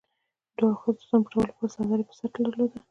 دواړو ښځو د ځان پټولو لپاره څادري په سر درلوده.